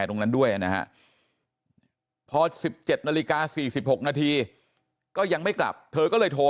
ตรงนั้นด้วยนะฮะพอ๑๗นาฬิกา๔๖นาทีก็ยังไม่กลับเธอก็เลยโทร